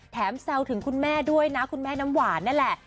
แซวถึงคุณแม่ด้วยนะคุณแม่น้ำหวานนั่นแหละ